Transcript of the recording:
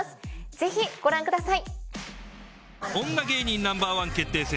ぜひご覧ください。